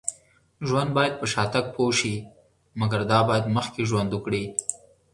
ژوند باید په شاتګ پوه شي. مګر دا باید مخکې ژوند وکړي